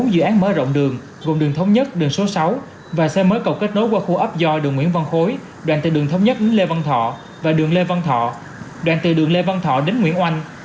bốn dự án mở rộng đường gồm đường thống nhất đường số sáu và xây mới cầu kết nối qua khu ấp do đường nguyễn văn khối đoàn từ đường thống nhất đến lê văn thọ và đường lê văn thọ đoạn từ đường lê văn thọ đến nguyễn oanh